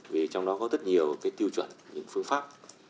vì trong đó có rất nhiều tiêu chuẩn những phương pháp